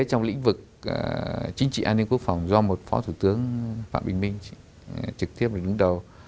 trong lĩnh vực chính trị an ninh quốc phòng do một phó thủ tướng phạm bình minh trực tiếp đứng đầu